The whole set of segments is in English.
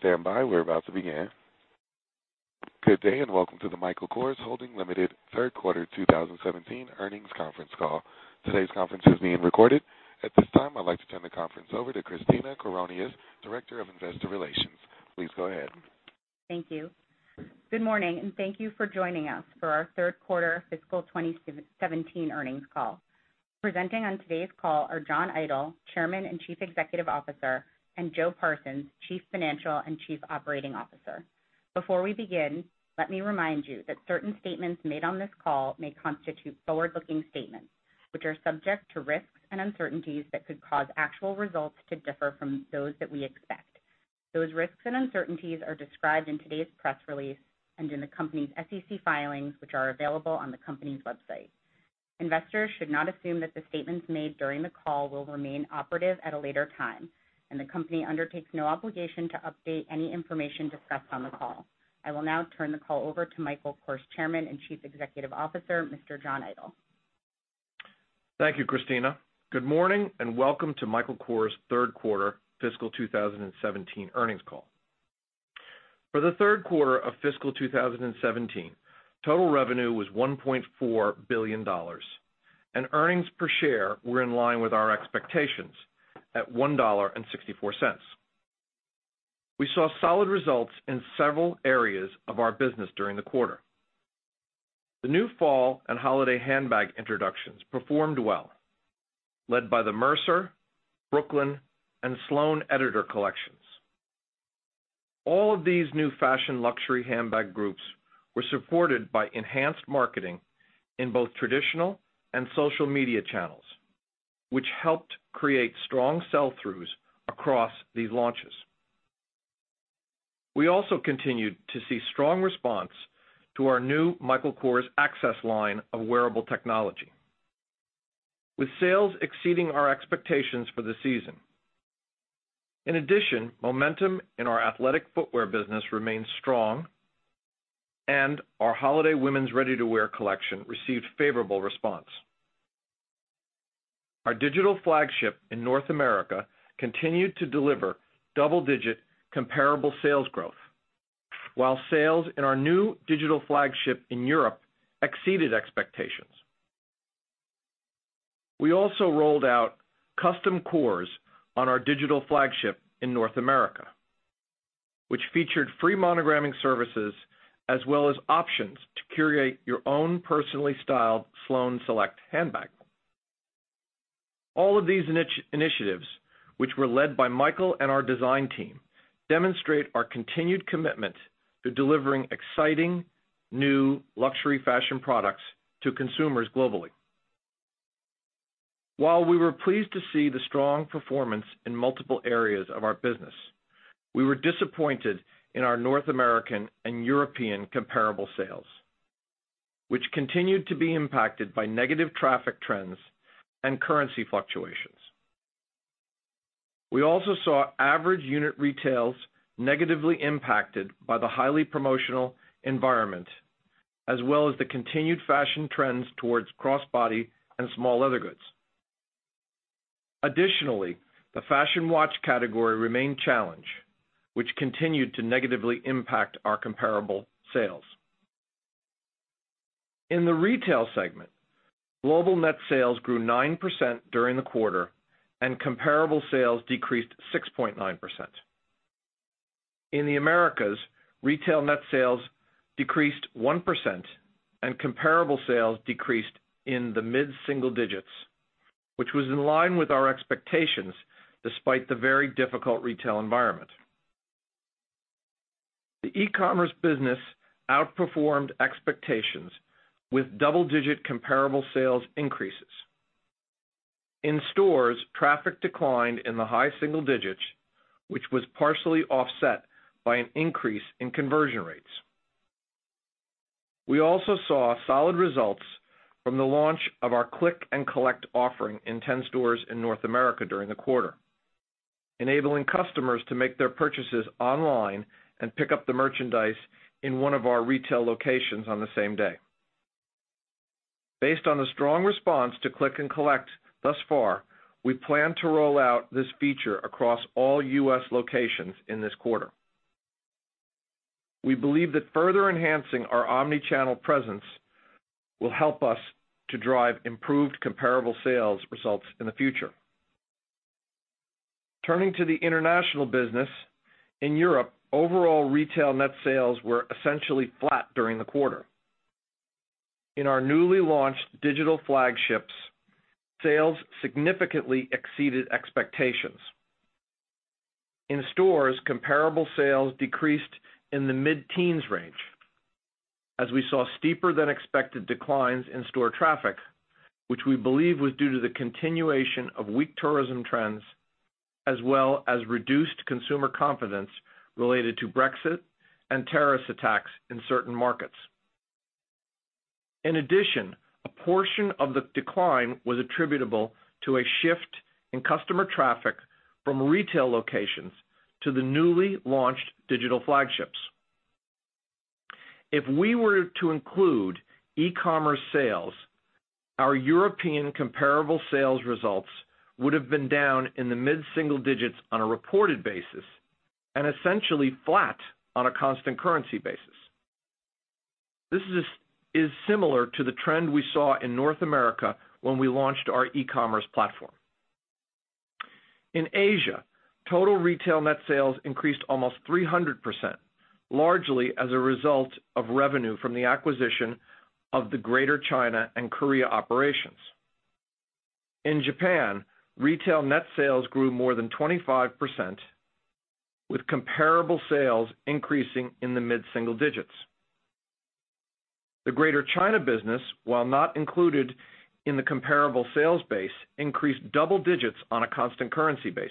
Please stand by. We're about to begin. Good day, welcome to the Michael Kors Holdings Limited third quarter 2017 earnings conference call. Today's conference is being recorded. At this time, I'd like to turn the conference over to Christina Koliopoulos, Director of Investor Relations. Please go ahead. Thank you. Good morning, thank you for joining us for our third quarter fiscal 2017 earnings call. Presenting on today's call are John Idol, Chairman and Chief Executive Officer, Joe Parsons, Chief Financial and Chief Operating Officer. Before we begin, let me remind you that certain statements made on this call may constitute forward-looking statements, which are subject to risks and uncertainties that could cause actual results to differ from those that we expect. Those risks and uncertainties are described in today's press release and in the company's SEC filings, which are available on the company's website. Investors should not assume that the statements made during the call will remain operative at a later time, the company undertakes no obligation to update any information discussed on the call. I will now turn the call over to Michael Kors Chairman and Chief Executive Officer, Mr. John Idol. Thank you, Christina. Good morning, welcome to Michael Kors's third quarter fiscal 2017 earnings call. For the third quarter of fiscal 2017, total revenue was $1.4 billion. Earnings per share were in line with our expectations at $1.64. We saw solid results in several areas of our business during the quarter. The new fall and holiday handbag introductions performed well, led by the Mercer, Brooklyn, and Sloane Editor collections. All of these new fashion luxury handbag groups were supported by enhanced marketing in both traditional and social media channels, which helped create strong sell-throughs across these launches. We also continued to see strong response to our new Michael Kors Access line of wearable technology, with sales exceeding our expectations for the season. In addition, momentum in our athletic footwear business remains strong, our holiday women's ready-to-wear collection received favorable response. Our digital flagship in North America continued to deliver double-digit comparable sales growth, while sales in our new digital flagship in Europe exceeded expectations. We also rolled out Custom Kors on our digital flagship in North America, which featured free monogramming services as well as options to curate your own personally styled Sloane Select handbag. All of these initiatives, which were led by Michael and our design team, demonstrate our continued commitment to delivering exciting new luxury fashion products to consumers globally. While we were pleased to see the strong performance in multiple areas of our business, we were disappointed in our North American and European comparable sales, which continued to be impacted by negative traffic trends and currency fluctuations. We also saw average unit retails negatively impacted by the highly promotional environment, as well as the continued fashion trends towards crossbody and small leather goods. Additionally, the fashion watch category remained challenged, which continued to negatively impact our comparable sales. In the retail segment, global net sales grew 9% during the quarter. Comparable sales decreased 6.9%. In the Americas, retail net sales decreased 1%. Comparable sales decreased in the mid-single digits, which was in line with our expectations, despite the very difficult retail environment. The e-commerce business outperformed expectations with double-digit comparable sales increases. In stores, traffic declined in the high single digits, which was partially offset by an increase in conversion rates. We also saw solid results from the launch of our click and collect offering in 10 stores in North America during the quarter, enabling customers to make their purchases online and pick up the merchandise in one of our retail locations on the same day. Based on the strong response to click and collect thus far, we plan to roll out this feature across all U.S. locations in this quarter. We believe that further enhancing our omni-channel presence will help us to drive improved comparable sales results in the future. Turning to the international business. In Europe, overall retail net sales were essentially flat during the quarter. In our newly launched digital flagships, sales significantly exceeded expectations. In stores, comparable sales decreased in the mid-teens range as we saw steeper-than-expected declines in store traffic, which we believe was due to the continuation of weak tourism trends, as well as reduced consumer confidence related to Brexit and terrorist attacks in certain markets. In addition, a portion of the decline was attributable to a shift in customer traffic from retail locations to the newly launched digital flagships. If we were to include e-commerce sales, our European comparable sales results would've been down in the mid-single digits on a reported basis. Essentially flat on a constant currency basis. This is similar to the trend we saw in North America when we launched our e-commerce platform. In Asia, total retail net sales increased almost 300%, largely as a result of revenue from the acquisition of the Greater China and Korea operations. In Japan, retail net sales grew more than 25%, with comparable sales increasing in the mid-single digits. The Greater China business, while not included in the comparable sales base, increased double digits on a constant currency basis.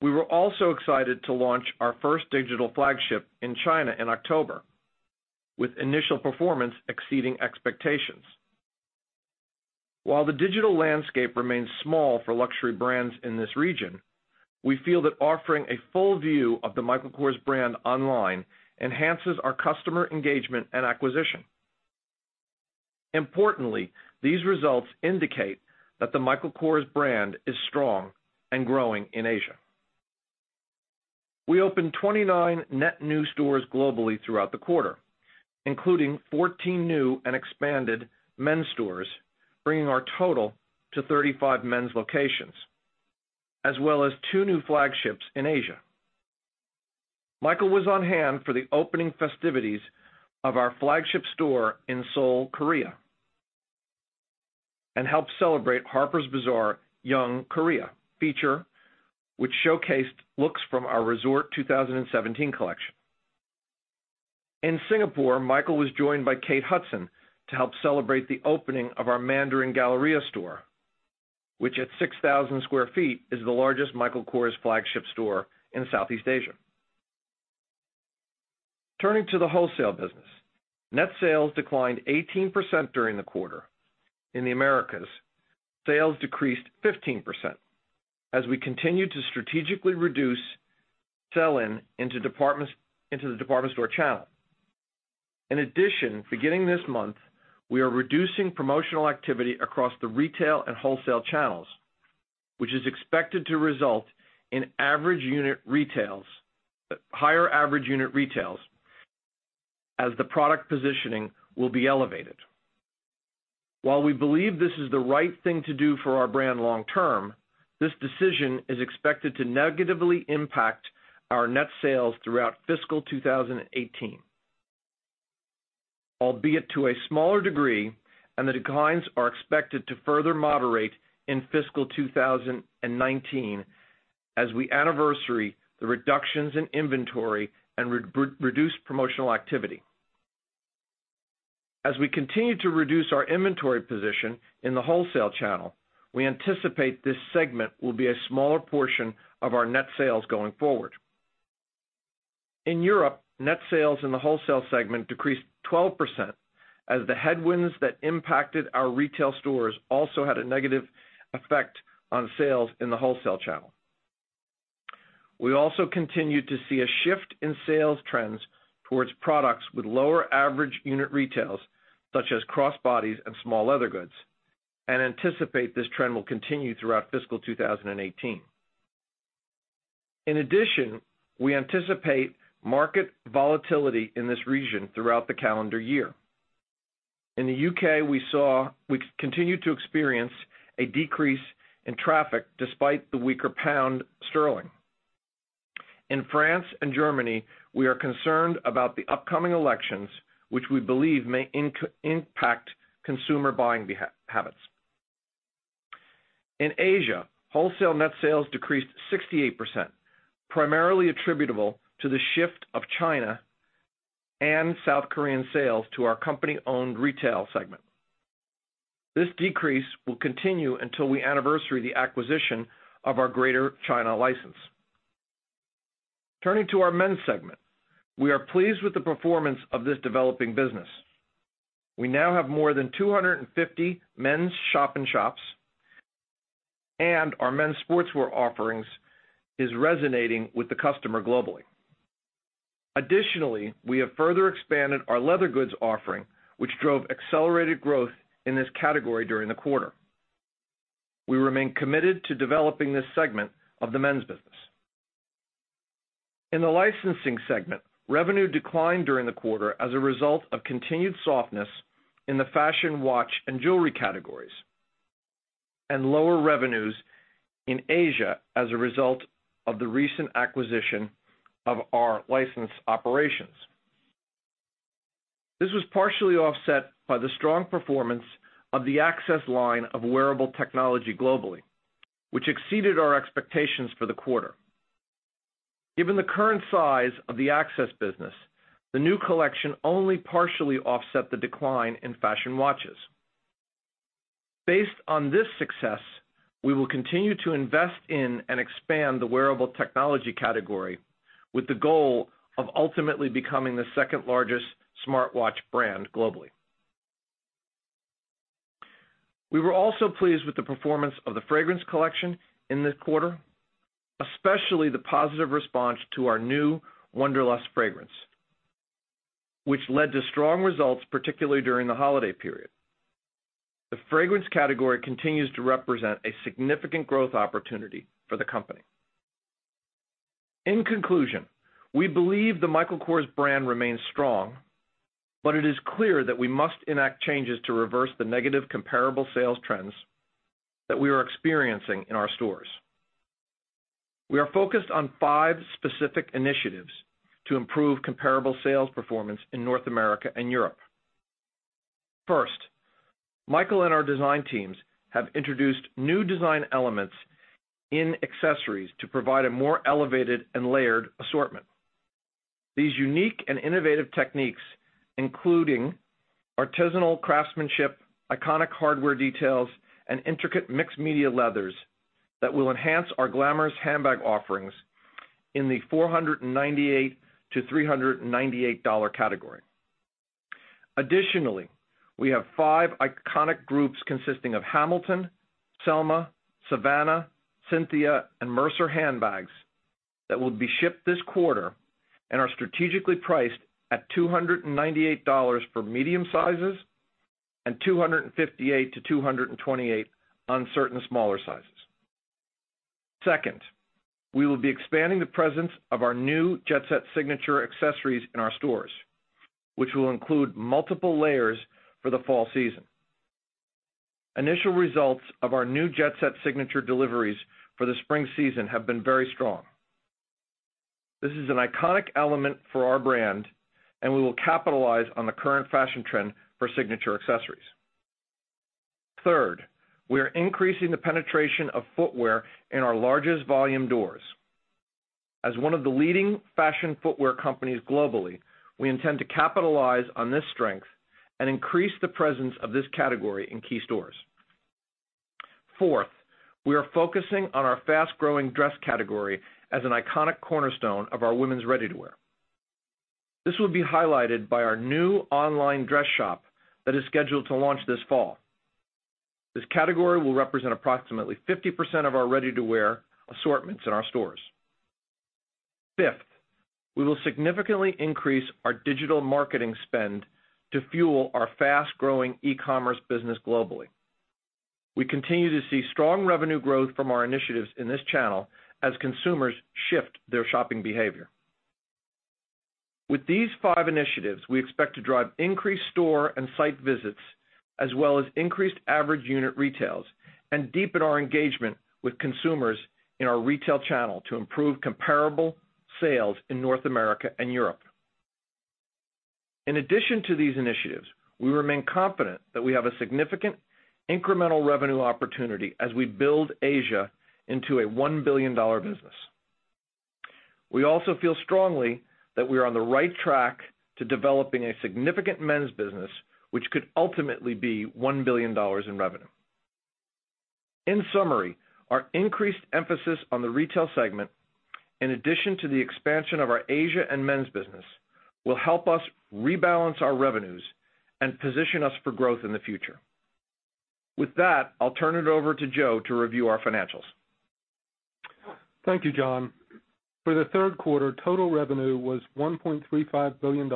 We were also excited to launch our first digital flagship in China in October, with initial performance exceeding expectations. While the digital landscape remains small for luxury brands in this region, we feel that offering a full view of the Michael Kors brand online enhances our customer engagement and acquisition. Importantly, these results indicate that the Michael Kors brand is strong and growing in Asia. We opened 29 net new stores globally throughout the quarter, including 14 new and expanded men's stores, bringing our total to 35 men's locations, as well as two new flagships in Asia. Michael was on hand for the opening festivities of our flagship store in Seoul, Korea, and helped celebrate Harper's Bazaar Young Korea feature, which showcased looks from our Resort 2017 collection. In Singapore, Michael was joined by Kate Hudson to help celebrate the opening of our Mandarin Gallery store, which at 6,000 sq ft is the largest Michael Kors flagship store in Southeast Asia. Turning to the wholesale business, net sales declined 18% during the quarter. In the Americas, sales decreased 15% as we continued to strategically reduce sell-in into the department store channel. In addition, beginning this month, we are reducing promotional activity across the retail and wholesale channels, which is expected to result in higher average unit retails as the product positioning will be elevated. While we believe this is the right thing to do for our brand long term, this decision is expected to negatively impact our net sales throughout fiscal 2018, albeit to a smaller degree, and the declines are expected to further moderate in fiscal 2019 as we anniversary the reductions in inventory and reduce promotional activity. As we continue to reduce our inventory position in the wholesale channel, we anticipate this segment will be a smaller portion of our net sales going forward. In Europe, net sales in the wholesale segment decreased 12% as the headwinds that impacted our retail stores also had a negative effect on sales in the wholesale channel. We also continued to see a shift in sales trends towards products with lower average unit retails, such as crossbodies and small leather goods, and anticipate this trend will continue throughout fiscal 2018. In addition, we anticipate market volatility in this region throughout the calendar year. In the U.K., we continued to experience a decrease in traffic despite the weaker pound sterling. In France and Germany, we are concerned about the upcoming elections, which we believe may impact consumer buying habits. In Asia, wholesale net sales decreased 68%, primarily attributable to the shift of China and South Korean sales to our company-owned retail segment. This decrease will continue until we anniversary the acquisition of our Greater China license. Turning to our men's segment, we are pleased with the performance of this developing business. We now have more than 250 men's shop-in-shops, and our men's sportswear offerings is resonating with the customer globally. Additionally, we have further expanded our leather goods offering, which drove accelerated growth in this category during the quarter. We remain committed to developing this segment of the men's business. In the licensing segment, revenue declined during the quarter as a result of continued softness in the fashion watch and jewelry categories, and lower revenues in Asia as a result of the recent acquisition of our license operations. This was partially offset by the strong performance of the Access line of wearable technology globally, which exceeded our expectations for the quarter. Given the current size of the Access business, the new collection only partially offset the decline in fashion watches. Based on this success, we will continue to invest in and expand the wearable technology category with the goal of ultimately becoming the second-largest smartwatch brand globally. We were also pleased with the performance of the fragrance collection in this quarter, especially the positive response to our new Wonderlust fragrance, which led to strong results, particularly during the holiday period. The fragrance category continues to represent a significant growth opportunity for the company. In conclusion, we believe the Michael Kors brand remains strong, but it is clear that we must enact changes to reverse the negative comparable sales trends that we are experiencing in our stores. We are focused on five specific initiatives to improve comparable sales performance in North America and Europe. First, Michael and our design teams have introduced new design elements in accessories to provide a more elevated and layered assortment. These unique and innovative techniques including artisanal craftsmanship, iconic hardware details, and intricate mixed media leathers that will enhance our glamorous handbag offerings in the $498-$398 category. Additionally, we have five iconic groups consisting of Hamilton, Selma, Savannah, Cynthia, and Mercer handbags that will be shipped this quarter and are strategically priced at $298 for medium sizes and $258-$228 on certain smaller sizes. Second, we will be expanding the presence of our new Jet Set signature accessories in our stores, which will include multiple layers for the fall season. Initial results of our new Jet Set signature deliveries for the spring season have been very strong. This is an iconic element for our brand, and we will capitalize on the current fashion trend for signature accessories. Third, we are increasing the penetration of footwear in our largest volume doors. As one of the leading fashion footwear companies globally, we intend to capitalize on this strength and increase the presence of this category in key stores. Fourth, we are focusing on our fast-growing dress category as an iconic cornerstone of our women's ready-to-wear. This will be highlighted by our new online dress shop that is scheduled to launch this fall. This category will represent approximately 50% of our ready-to-wear assortments in our stores. Fifth, we will significantly increase our digital marketing spend to fuel our fast-growing e-commerce business globally. We continue to see strong revenue growth from our initiatives in this channel as consumers shift their shopping behavior. With these five initiatives, we expect to drive increased store and site visits, as well as increased average unit retails and deepen our engagement with consumers in our retail channel to improve comparable sales in North America and Europe. In addition to these initiatives, we remain confident that we have a significant incremental revenue opportunity as we build Asia into a $1 billion business. We also feel strongly that we're on the right track to developing a significant men's business, which could ultimately be $1 billion in revenue. In summary, our increased emphasis on the retail segment, in addition to the expansion of our Asia and men's business, will help us rebalance our revenues and position us for growth in the future. With that, I'll turn it over to Joe to review our financials. Thank you, John. For the third quarter, total revenue was $1.35 billion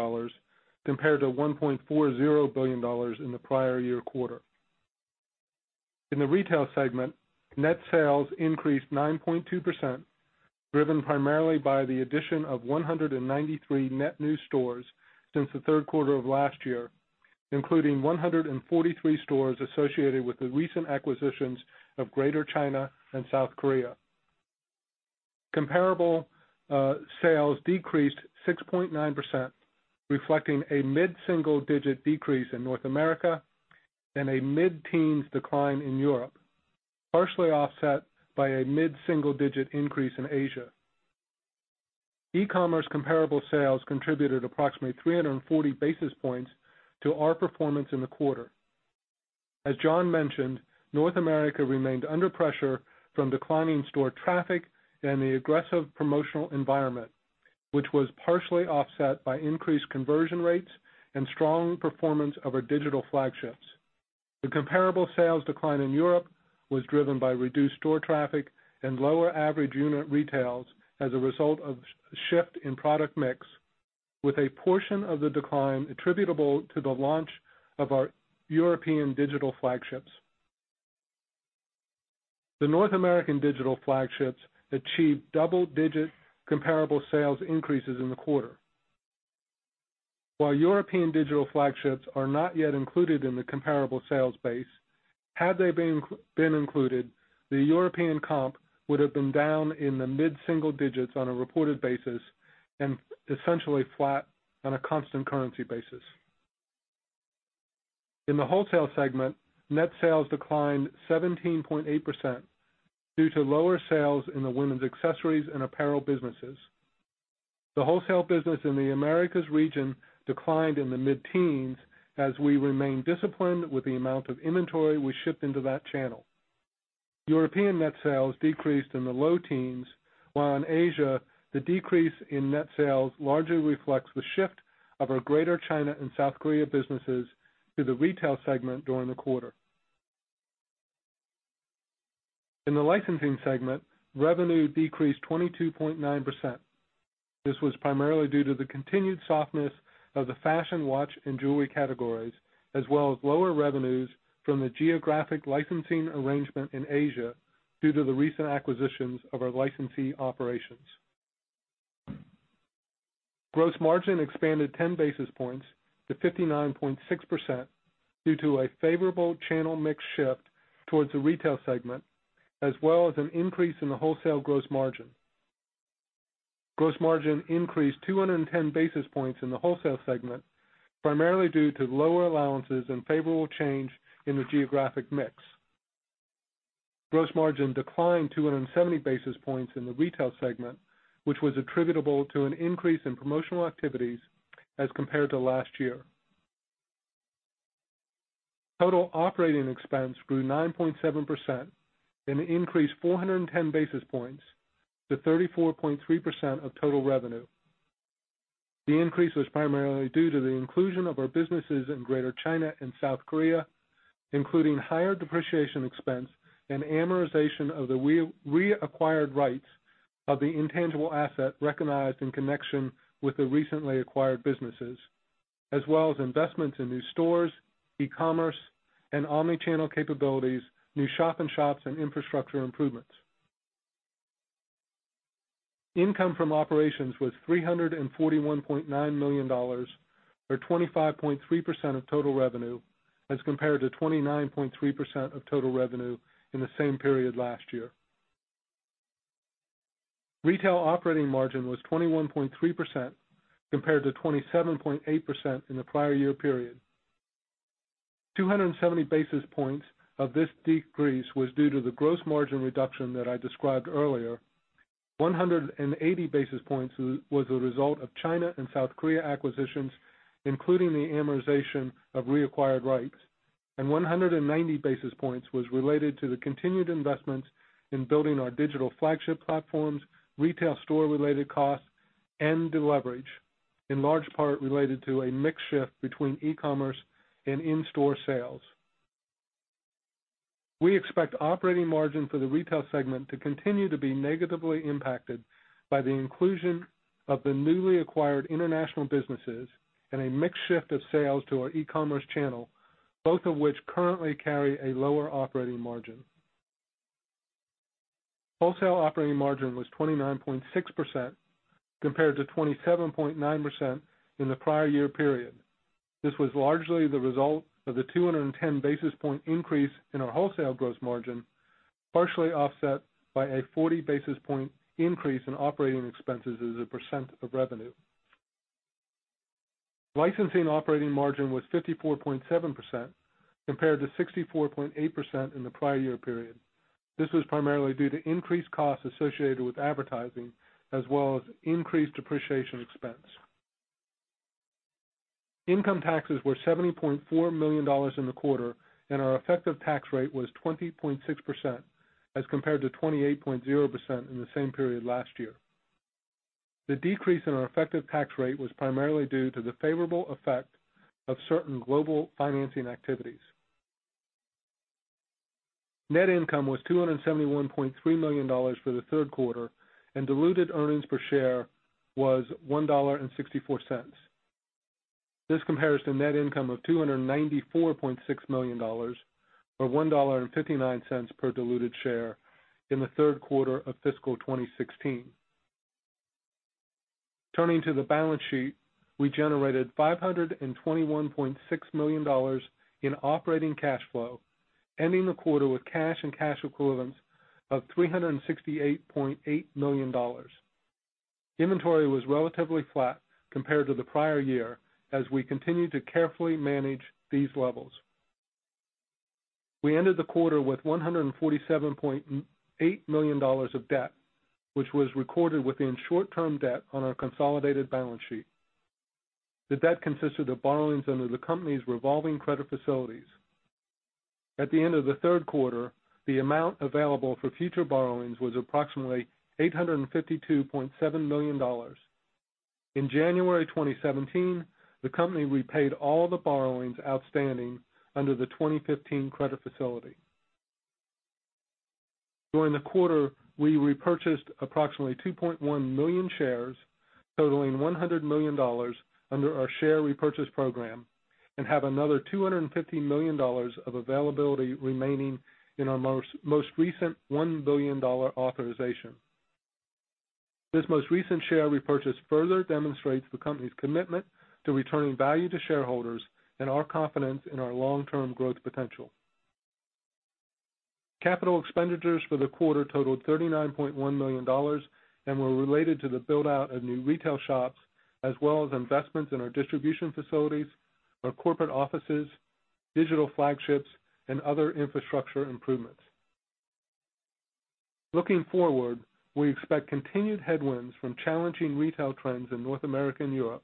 compared to $1.40 billion in the prior year quarter. In the retail segment, net sales increased 9.2%, driven primarily by the addition of 193 net new stores since the third quarter of last year, including 143 stores associated with the recent acquisitions of Greater China and South Korea. Comparable sales decreased 6.9%, reflecting a mid-single-digit decrease in North America and a mid-teens decline in Europe, partially offset by a mid-single-digit increase in Asia. E-commerce comparable sales contributed approximately 340 basis points to our performance in the quarter. As John mentioned, North America remained under pressure from declining store traffic and the aggressive promotional environment, which was partially offset by increased conversion rates and strong performance of our digital flagships. The comparable sales decline in Europe was driven by reduced store traffic and lower average unit retails as a result of a shift in product mix, with a portion of the decline attributable to the launch of our European digital flagships. The North American digital flagships achieved double-digit comparable sales increases in the quarter. While European digital flagships are not yet included in the comparable sales base, had they been included, the European comp would've been down in the mid-single digits on a reported basis and essentially flat on a constant currency basis. In the wholesale segment, net sales declined 17.8% due to lower sales in the women's accessories and apparel businesses. The wholesale business in the Americas region declined in the mid-teens as we remain disciplined with the amount of inventory we ship into that channel. European net sales decreased in the low teens, while in Asia, the decrease in net sales largely reflects the shift of our Greater China and South Korea businesses to the retail segment during the quarter. In the licensing segment, revenue decreased 22.9%. This was primarily due to the continued softness of the fashion watch and jewelry categories, as well as lower revenues from the geographic licensing arrangement in Asia due to the recent acquisitions of our licensee operations. Gross margin expanded 10 basis points to 59.6% due to a favorable channel mix shift towards the retail segment, as well as an increase in the wholesale gross margin. Gross margin increased 210 basis points in the wholesale segment, primarily due to lower allowances and favorable change in the geographic mix. Gross margin declined 270 basis points in the retail segment, which was attributable to an increase in promotional activities as compared to last year. Total operating expense grew 9.7% and increased 410 basis points to 34.3% of total revenue. The increase was primarily due to the inclusion of our businesses in Greater China and South Korea, including higher depreciation expense and amortization of the reacquired rights of the intangible asset recognized in connection with the recently acquired businesses, as well as investments in new stores, e-commerce, and omni-channel capabilities, new shop in shops, and infrastructure improvements. Income from operations was $341.9 million, or 25.3% of total revenue as compared to 29.3% of total revenue in the same period last year. Retail operating margin was 21.3% compared to 27.8% in the prior year period. 270 basis points of this decrease was due to the gross margin reduction that I described earlier. 180 basis points was a result of China and South Korea acquisitions, including the amortization of reacquired rights. 190 basis points was related to the continued investments in building our digital flagship platforms, retail store-related costs, and deleverage, in large part related to a mix shift between e-commerce and in-store sales. We expect operating margin for the retail segment to continue to be negatively impacted by the inclusion of the newly acquired international businesses and a mix shift of sales to our e-commerce channel, both of which currently carry a lower operating margin. Wholesale operating margin was 29.6% compared to 27.9% in the prior year period. This was largely the result of the 210 basis point increase in our wholesale gross margin, partially offset by a 40 basis point increase in operating expenses as a percent of revenue. Licensing operating margin was 54.7% compared to 64.8% in the prior year period. This was primarily due to increased costs associated with advertising as well as increased depreciation expense. Income taxes were $70.4 million in the quarter, and our effective tax rate was 20.6% as compared to 28.0% in the same period last year. The decrease in our effective tax rate was primarily due to the favorable effect of certain global financing activities. Net income was $271.3 million for the third quarter, and diluted earnings per share was $1.64. This compares to net income of $294.6 million, or $1.59 per diluted share in the third quarter of fiscal 2016. Turning to the balance sheet, we generated $521.6 million in operating cash flow, ending the quarter with cash and cash equivalents of $368.8 million. Inventory was relatively flat compared to the prior year as we continued to carefully manage these levels. We ended the quarter with $147.8 million of debt, which was recorded within short-term debt on our consolidated balance sheet. The debt consisted of borrowings under the company's revolving credit facilities. At the end of the third quarter, the amount available for future borrowings was approximately $852.7 million. In January 2017, the company repaid all the borrowings outstanding under the 2015 Credit Facility. During the quarter, we repurchased approximately 2.1 million shares totaling $100 million under our share repurchase program and have another $250 million of availability remaining in our most recent $1 billion authorization. This most recent share repurchase further demonstrates the company's commitment to returning value to shareholders and our confidence in our long-term growth potential. Capital expenditures for the quarter totaled $39.1 million and were related to the build-out of new retail shops, as well as investments in our distribution facilities, our corporate offices, digital flagships, and other infrastructure improvements. Looking forward, we expect continued headwinds from challenging retail trends in North America and Europe,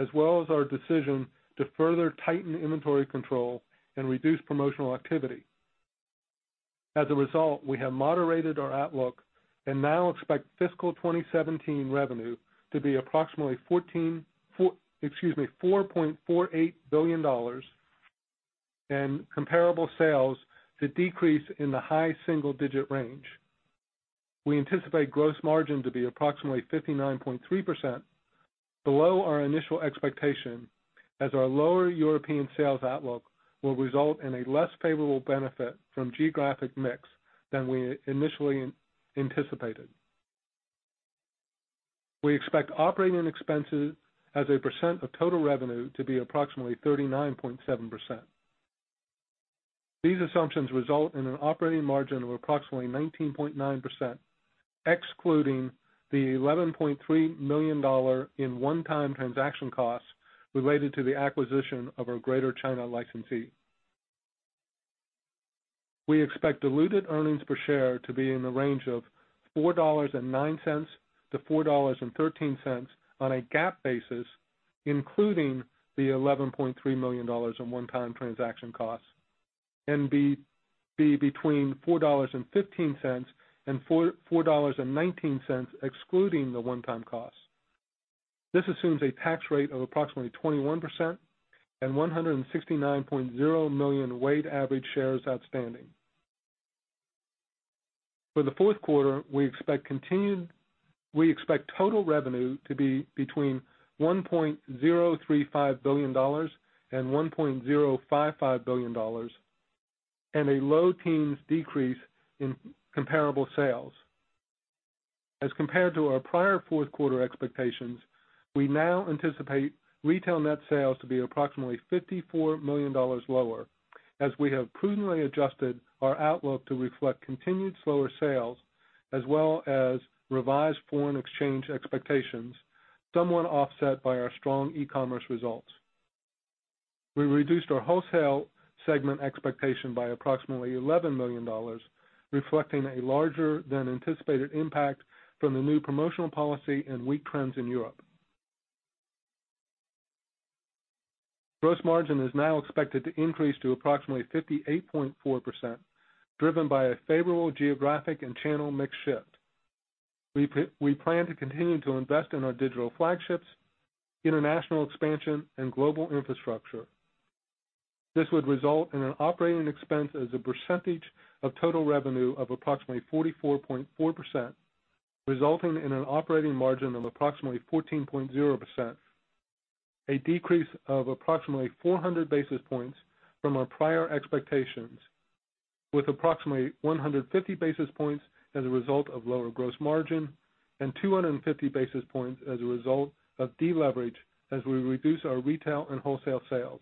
as well as our decision to further tighten inventory control and reduce promotional activity. As a result, we have moderated our outlook and now expect fiscal 2017 revenue to be approximately $4.48 billion and comparable sales to decrease in the high single-digit range. We anticipate gross margin to be approximately 59.3%, below our initial expectation, as our lower European sales outlook will result in a less favorable benefit from geographic mix than we initially anticipated. We expect operating expenses as a percent of total revenue to be approximately 39.7%. These assumptions result in an operating margin of approximately 19.9%, excluding the $11.3 million in one-time transaction costs related to the acquisition of our Greater China licensee. We expect diluted earnings per share to be in the range of $4.09-$4.13 on a GAAP basis, including the $11.3 million in one-time transaction costs, and be $4.15-$4.19 excluding the one-time costs. This assumes a tax rate of approximately 21% and 169.0 million weighted average shares outstanding. For the fourth quarter, we expect total revenue to be $1.035 billion-$1.055 billion, and a low teens decrease in comparable sales. As compared to our prior fourth quarter expectations, we now anticipate retail net sales to be approximately $54 million lower, as we have prudently adjusted our outlook to reflect continued slower sales, as well as revised foreign exchange expectations, somewhat offset by our strong e-commerce results. We reduced our wholesale segment expectation by approximately $11 million, reflecting a larger than anticipated impact from the new promotional policy and weak trends in Europe. Gross margin is now expected to increase to approximately 58.4%, driven by a favorable geographic and channel mix shift. We plan to continue to invest in our digital flagships, international expansion, and global infrastructure. This would result in an operating expense as a percentage of total revenue of approximately 44.4%, resulting in an operating margin of approximately 14.0%, a decrease of approximately 400 basis points from our prior expectations, with approximately 150 basis points as a result of lower gross margin and 250 basis points as a result of deleverage, as we reduce our retail and wholesale sales.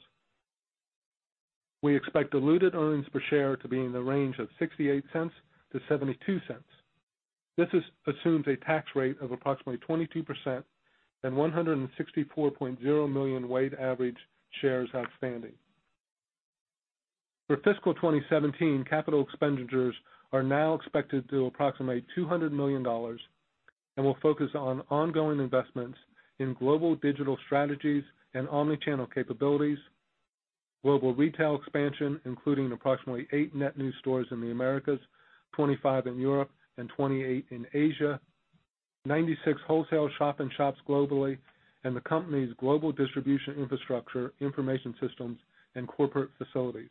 We expect diluted earnings per share to be in the range of $0.68-$0.72. This assumes a tax rate of approximately 22% and 164.0 million weighted average shares outstanding. For FY 2017, capital expenditures are now expected to approximate $200 million and will focus on ongoing investments in global digital strategies and omni-channel capabilities, global retail expansion, including approximately eight net new stores in the Americas, 25 in Europe and 28 in Asia, 96 wholesale shop-in-shops globally, and the company's global distribution infrastructure, information systems, and corporate facilities.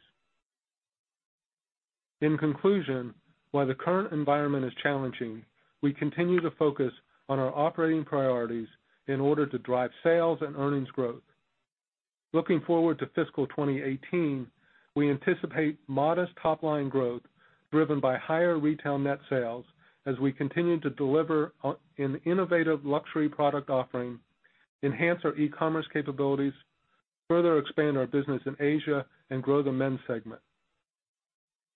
In conclusion, while the current environment is challenging, we continue to focus on our operating priorities in order to drive sales and earnings growth. Looking forward to FY 2018, we anticipate modest top-line growth driven by higher retail net sales as we continue to deliver an innovative luxury product offering, enhance our e-commerce capabilities, further expand our business in Asia, and grow the men's segment.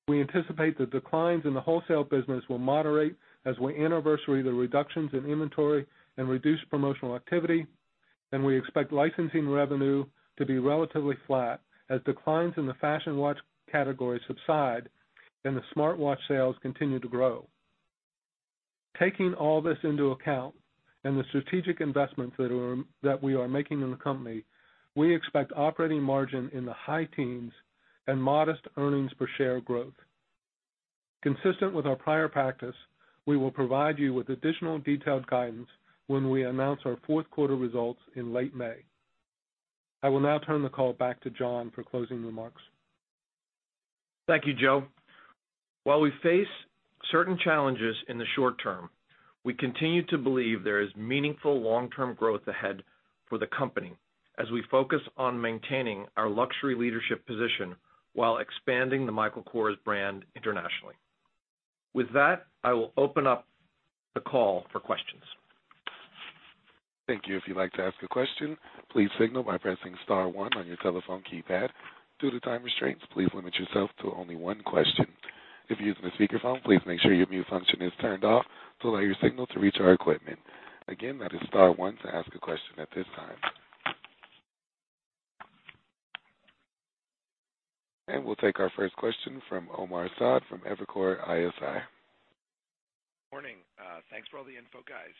We anticipate the declines in the wholesale business will moderate as we anniversary the reductions in inventory and reduce promotional activity. We expect licensing revenue to be relatively flat as declines in the fashion watch category subside and the smartwatch sales continue to grow. Taking all this into account and the strategic investments that we are making in the company, we expect operating margin in the high teens and modest earnings per share growth. Consistent with our prior practice, we will provide you with additional detailed guidance when we announce our fourth quarter results in late May. I will now turn the call back to John for closing remarks. Thank you, Joe. While we face certain challenges in the short term, we continue to believe there is meaningful long-term growth ahead for the company as we focus on maintaining our luxury leadership position while expanding the Michael Kors brand internationally. With that, I will open up the call for questions. Thank you. If you'd like to ask a question, please signal by pressing *1 on your telephone keypad. Due to time restraints, please limit yourself to only one question. If you're using a speakerphone, please make sure your mute function is turned off to allow your signal to reach our equipment. Again, that is *1 to ask a question at this time. We'll take our first question from Omar Saad from Evercore ISI. Morning. Thanks for all the info, guys.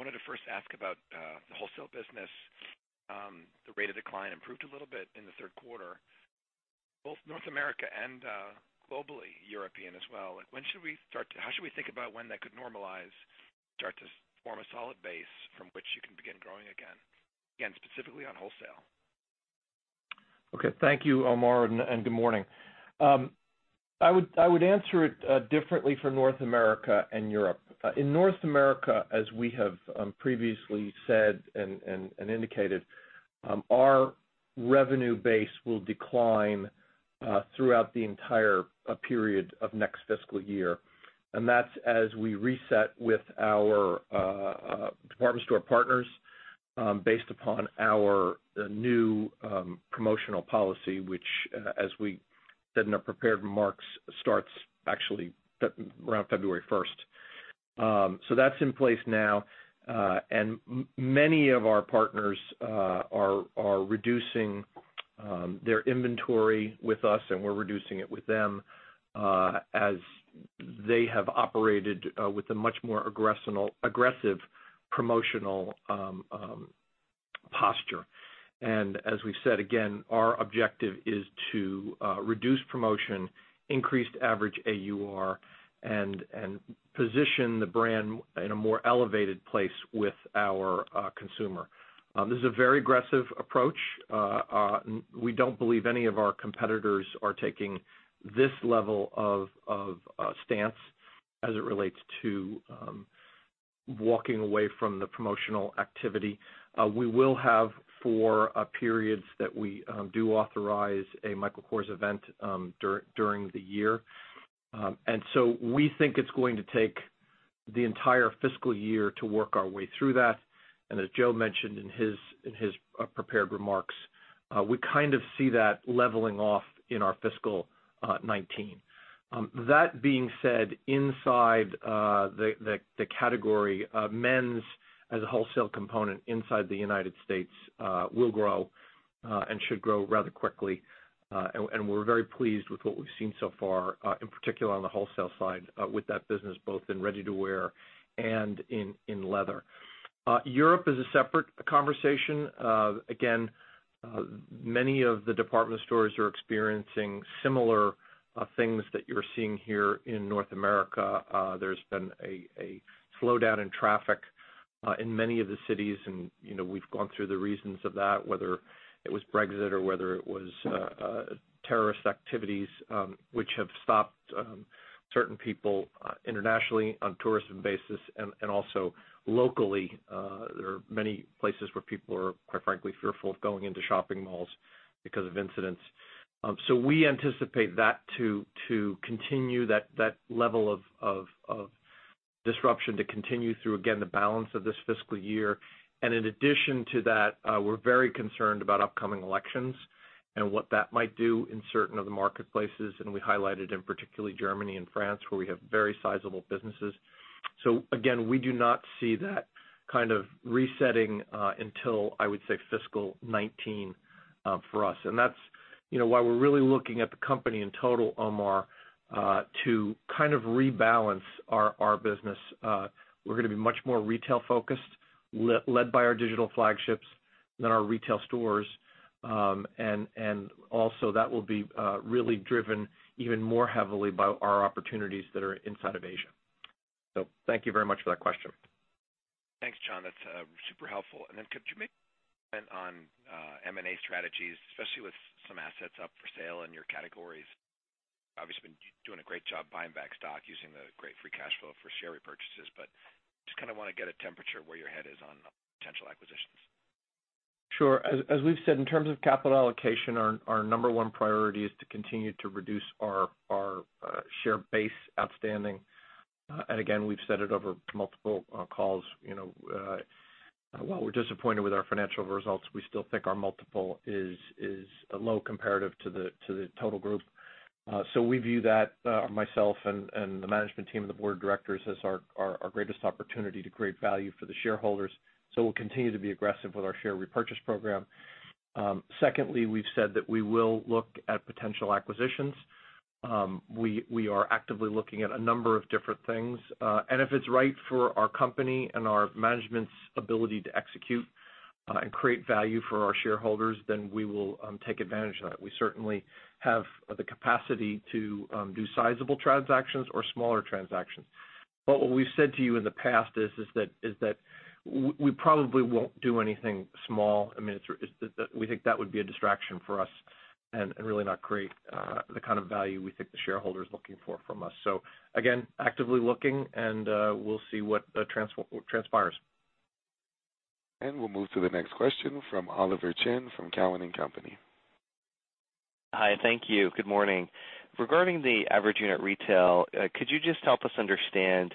Wanted to first ask about the wholesale business. The rate of decline improved a little bit in the third quarter. Both North America and globally, European as well. How should we think about when that could normalize, start to form a solid base from which you can begin growing again? Again, specifically on wholesale. Okay. Thank you, Omar, and good morning. I would answer it differently for North America and Europe. In North America, as we have previously said and indicated, our revenue base will decline throughout the entire period of next fiscal year. That's as we reset with our department store partners based upon our new promotional policy, which, as we said in our prepared remarks, starts actually around February 1st. That's in place now. Many of our partners are reducing their inventory with us, and we're reducing it with them as they have operated with a much more aggressive promotional posture. As we said, again, our objective is to reduce promotion, increase average AUR, and position the brand in a more elevated place with our consumer. This is a very aggressive approach. We don't believe any of our competitors are taking this level of stance as it relates to walking away from the promotional activity. We will have, for periods that we do authorize a Michael Kors event during the year. We think it's going to take the entire fiscal year to work our way through that. As Joe mentioned in his prepared remarks, we see that leveling off in our fiscal 2019. That being said, inside the category, men's as a wholesale component inside the U.S. will grow and should grow rather quickly. We're very pleased with what we've seen so far, in particular on the wholesale side with that business, both in ready-to-wear and in leather. Europe is a separate conversation. Again, many of the department stores are experiencing similar things that you're seeing here in North America. There's been a slowdown in traffic in many of the cities. We've gone through the reasons of that, whether it was Brexit or whether it was terrorist activities, which have stopped certain people internationally on tourism basis and also locally. There are many places where people are, quite frankly, fearful of going into shopping malls because of incidents. We anticipate that to continue, that level of disruption to continue through, again, the balance of this fiscal year. In addition to that, we're very concerned about upcoming elections and what that might do in certain of the marketplaces. We highlighted in particularly Germany and France, where we have very sizable businesses. Again, we do not see that kind of resetting until, I would say, fiscal 2019 for us. That's why we're really looking at the company in total, Omar, to rebalance our business. We're going to be much more retail-focused, led by our digital flagships than our retail stores. Also that will be really driven even more heavily by our opportunities that are inside of Asia. Thank you very much for that question. Thanks, John. That's super helpful. Then could you maybe comment on M&A strategies, especially with some assets up for sale in your categories? Obviously, been doing a great job buying back stock, using the great free cash flow for share repurchases, just want to get a temperature where your head is on potential acquisitions. Sure. As we've said, in terms of capital allocation, our number one priority is to continue to reduce our share base outstanding. Again, we've said it over multiple calls. While we're disappointed with our financial results, we still think our multiple is low comparative to the total group. We view that, myself and the management team and the board of directors, as our greatest opportunity to create value for the shareholders. We'll continue to be aggressive with our share repurchase program. Secondly, we've said that we will look at potential acquisitions. We are actively looking at a number of different things. If it's right for our company and our management's ability to execute and create value for our shareholders, then we will take advantage of that. We certainly have the capacity to do sizable transactions or smaller transactions. What we've said to you in the past is that we probably won't do anything small. We think that would be a distraction for us and really not create the kind of value we think the shareholder is looking for from us. Again, actively looking, and we'll see what transpires. We'll move to the next question from Oliver Chen from Cowen and Company. Hi, thank you. Good morning. Regarding the average unit retail, could you just help us understand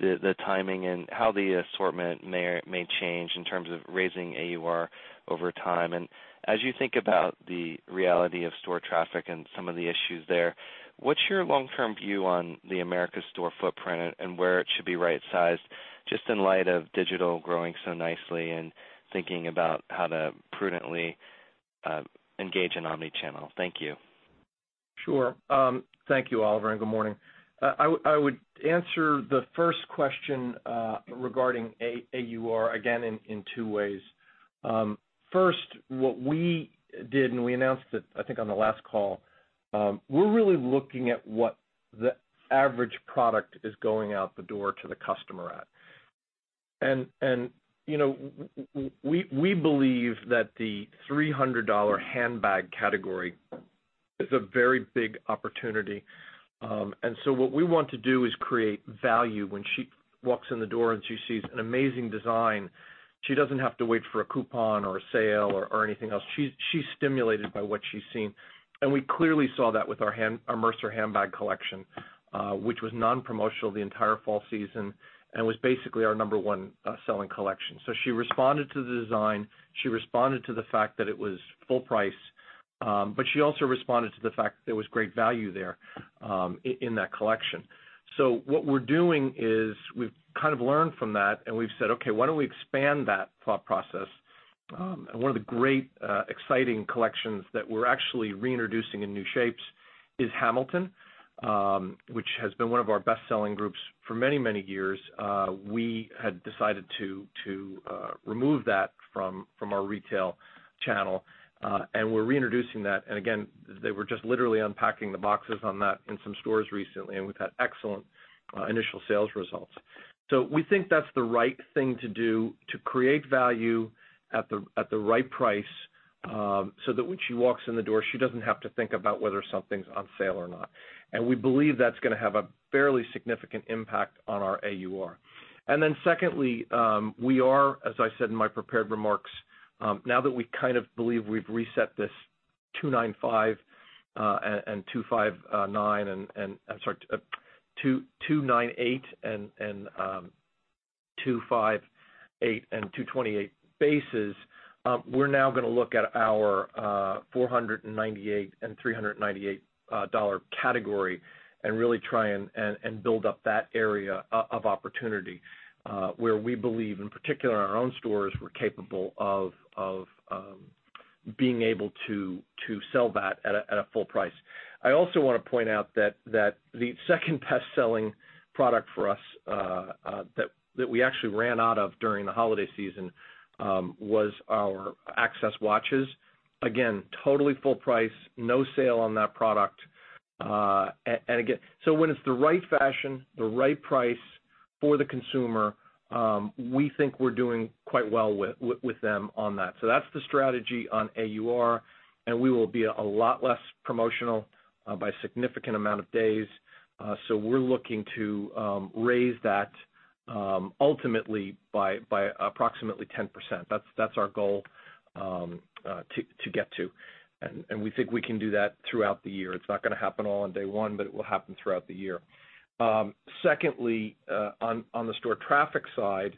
the timing and how the assortment may change in terms of raising AUR over time? As you think about the reality of store traffic and some of the issues there, What's your long-term view on the Americas store footprint and where it should be right-sized, just in light of digital growing so nicely and thinking about how to prudently engage in omni-channel? Thank you. Sure. Thank you, Oliver, and good morning. I would answer the first question regarding AUR, again, in two ways. First, what we did, we announced it, I think, on the last call, we're really looking at what the average product is going out the door to the customer at. We believe that the $300 handbag category is a very big opportunity. What we want to do is create value. When she walks in the door, she sees an amazing design, she doesn't have to wait for a coupon or a sale or anything else. She's stimulated by what she's seen. We clearly saw that with our Mercer handbag collection, which was non-promotional the entire fall season and was basically our number 1 selling collection. She responded to the design, she responded to the fact that it was full price, she also responded to the fact that there was great value there in that collection. What we're doing is we've learned from that, we've said, "Okay, why don't we expand that thought process?" One of the great, exciting collections that we're actually reintroducing in new shapes is Hamilton, which has been one of our best-selling groups for many, many years. We had decided to remove that from our retail channel. We're reintroducing that, again, they were just literally unpacking the boxes on that in some stores recently, we've had excellent initial sales results. We think that's the right thing to do to create value at the right price, that when she walks in the door, she doesn't have to think about whether something's on sale or not. We believe that's going to have a fairly significant impact on our AUR. Secondly, we are, as I said in my prepared remarks, now that we believe we've reset this 298 and 258 and 228 bases, we're now going to look at our $498 and $398 category and really try and build up that area of opportunity, where we believe, in particular in our own stores, we're capable of being able to sell that at a full price. I also want to point out that the second best-selling product for us, that we actually ran out of during the holiday season, was our Access watches. Again, totally full price. No sale on that product. When it's the right fashion, the right price for the consumer, we think we're doing quite well with them on that. That's the strategy on AUR, we will be a lot less promotional by a significant amount of days. We're looking to raise that ultimately by approximately 10%. That's our goal to get to, we think we can do that throughout the year. It's not going to happen all on day 1, it will happen throughout the year. Secondly, on the store traffic side,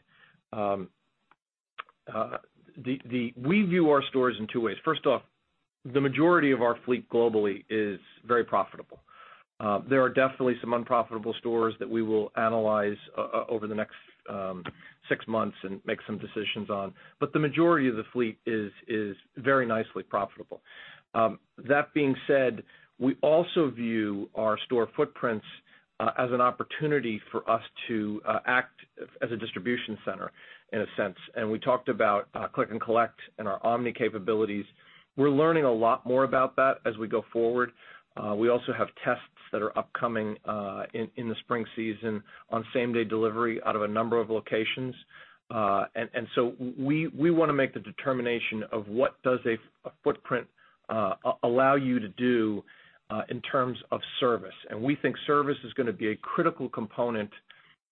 we view our stores in two ways. First off, the majority of our fleet globally is very profitable. There are definitely some unprofitable stores that we will analyze over the next six months and make some decisions on, the majority of the fleet is very nicely profitable. That being said, we also view our store footprints as an opportunity for us to act as a distribution center in a sense. We talked about click and collect and our omni capabilities. We're learning a lot more about that as we go forward. We also have tests that are upcoming in the spring season on same-day delivery out of a number of locations. We want to make the determination of what does a footprint allow you to do in terms of service. We think service is going to be a critical component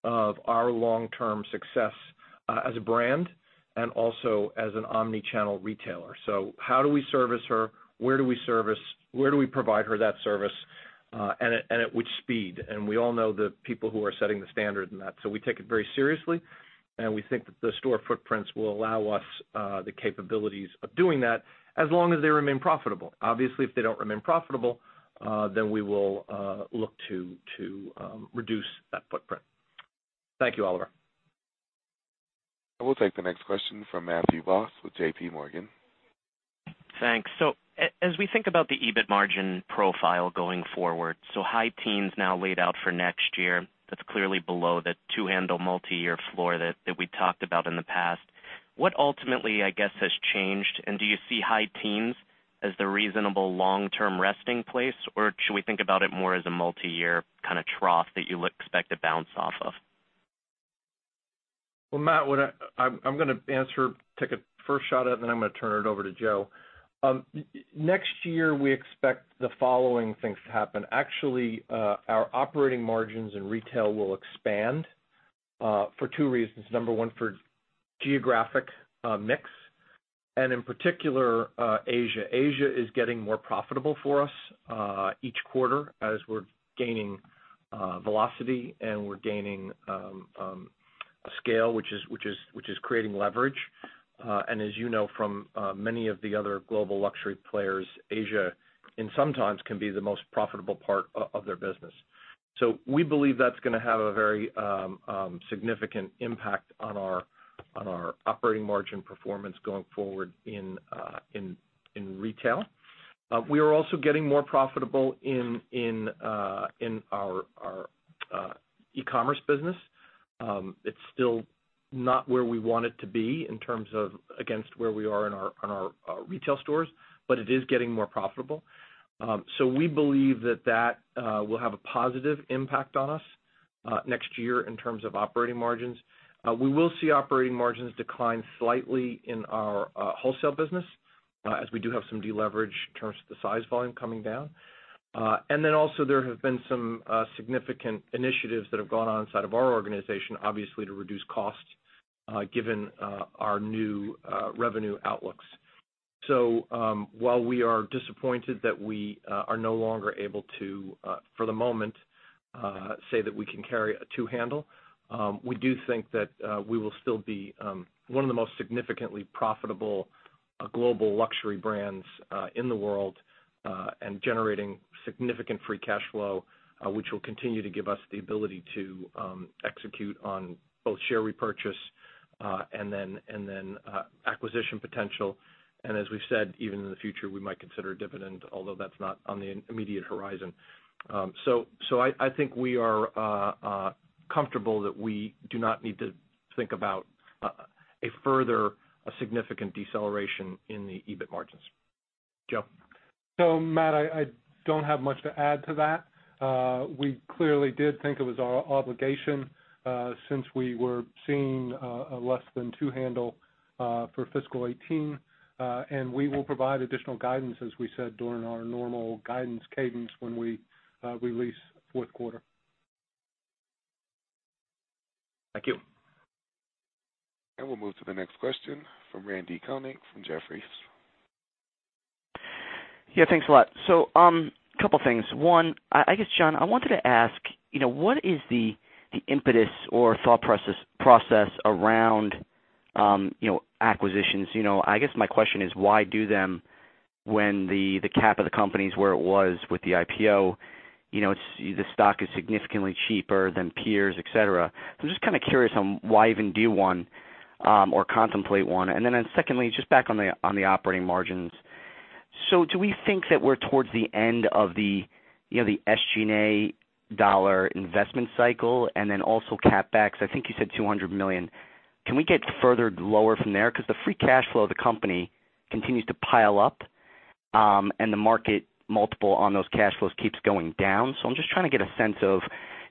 of our long-term success as a brand and also as an omni-channel retailer. How do we service her? Where do we provide her that service? At which speed? We all know the people who are setting the standard in that. We take it very seriously, we think that the store footprints will allow us the capabilities of doing that, as long as they remain profitable. Obviously, if they don't remain profitable, we will look to reduce that footprint. Thank you, Oliver. I will take the next question from Matthew Boss with JPMorgan. Thanks. As we think about the EBIT margin profile going forward, high teens now laid out for next year. That's clearly below the two-handle multi-year floor that we talked about in the past. What ultimately, I guess, has changed, do you see high teens as the reasonable long-term resting place, or should we think about it more as a multi-year kind of trough that you expect to bounce off of? Well, Matt, I'm going to answer, take a first shot at, then I'm going to turn it over to Joe. Next year, we expect the following things to happen. Actually, our operating margins in retail will expand for two reasons. Number one, for geographic mix, and in particular, Asia. Asia is getting more profitable for us each quarter as we're gaining velocity, and we're gaining scale, which is creating leverage. As you know from many of the other global luxury players, Asia sometimes can be the most profitable part of their business. We believe that's going to have a very significant impact on our operating margin performance going forward in retail. We are also getting more profitable in our e-commerce business. It's still not where we want it to be in terms of against where we are in our retail stores, but it is getting more profitable. We believe that will have a positive impact on us next year in terms of operating margins. We will see operating margins decline slightly in our wholesale business, as we do have some deleverage in terms of the size volume coming down. Also there have been some significant initiatives that have gone on inside of our organization, obviously to reduce costs, given our new revenue outlooks. While we are disappointed that we are no longer able to, for the moment, say that we can carry a two handle, we do think that we will still be one of the most significantly profitable global luxury brands in the world, and generating significant free cash flow, which will continue to give us the ability to execute on both share repurchase and then acquisition potential. As we've said, even in the future, we might consider dividend, although that's not on the immediate horizon. I think we are comfortable that we do not need to think about a further significant deceleration in the EBIT margins. Joe. Matt, I don't have much to add to that. We clearly did think it was our obligation, since we were seeing less than two handle for fiscal 2018. We will provide additional guidance, as we said, during our normal guidance cadence when we release fourth quarter. Thank you. We'll move to the next question from Randy Konik from Jefferies. Yeah, thanks a lot. Couple things. One, I guess, John, I wanted to ask, what is the impetus or thought process around acquisitions? I guess my question is why do them when the cap of the company is where it was with the IPO? The stock is significantly cheaper than peers, et cetera. I'm just kind of curious on why even do one, or contemplate one. Secondly, just back on the operating margins. Do we think that we're towards the end of the SG&A dollar investment cycle, and then also CapEx, I think you said $200 million. Can we get further lower from there? Because the free cash flow of the company continues to pile up, and the market multiple on those cash flows keeps going down. I'm just trying to get a sense of,